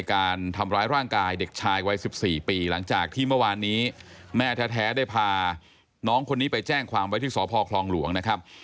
การทำร้ายร่างกายเด็กชายวัย๑๔ปีหลังจากที่เมื่อวานนี้แม่แท้ได้พาน้องคนนี้ไปแจ้งความไว้ที่สพคลองหลวงนะครับ